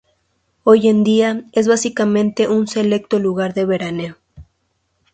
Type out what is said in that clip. Hoy en día es básicamente un selecto lugar de veraneo.